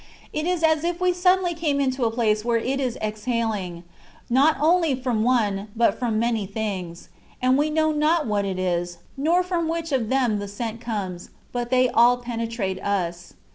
It is as if we suddenly came into a place where it is exhaling, not only from one, but from many things ; and we know not what it is, nor from which of them the scent comes, but they all penetrate us.